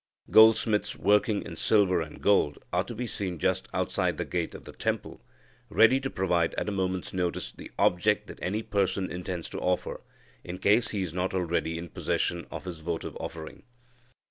Goldsmiths working in silver and gold are to be seen just outside the gate of the temple, ready to provide at a moment's notice the object that any person intends to offer, in case he is not already in possession of his votive offering."